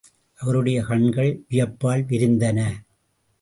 அவருடைய கண்கள் வியப்பால் விரிந்தன.